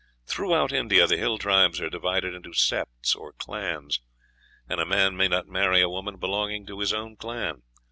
"Throughout India the hill tribes are divided into septs or clans, and a man may not marry a woman belonging to his own clan.